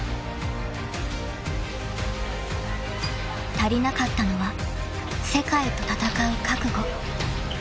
［足りなかったのは世界と戦う覚悟］